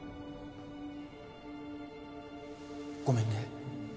ごめんね。